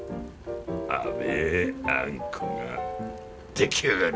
甘えあんこが出来上がる。